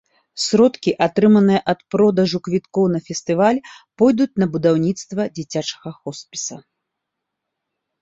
Сродкі, атрыманыя ад продажу квіткоў на фестываль, пойдуць на будаўніцтва дзіцячага хоспіса.